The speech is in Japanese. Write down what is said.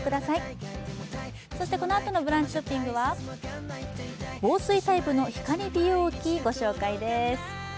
このあとのブランチショッピングは、防水タイプの光美容器をご紹介です。